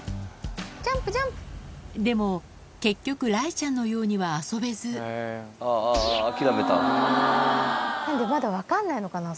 でも結局雷ちゃんのようには遊べずまだ分かんないのかな